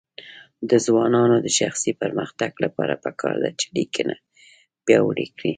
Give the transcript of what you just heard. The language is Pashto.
د ځوانانو د شخصي پرمختګ لپاره پکار ده چې لیکنه پیاوړې کړي.